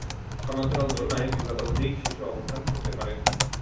সমান্তরাল দোলনায় দুই বা ততোধিক শিশু অবস্থান করতে পারে।